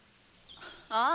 ああ。